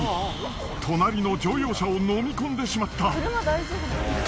隣の乗用車を飲み込んでしまった！